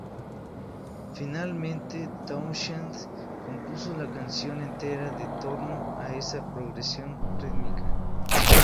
Finalmente, Townshend compuso la canción entera en torno a esa progresión rítmica.